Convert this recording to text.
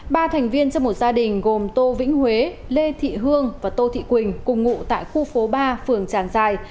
ba thành viên trong một gia đình gồm tô vĩnh huế lê thị hương và tô thị quỳnh cùng ngụ tại khu phố ba phường tràng giài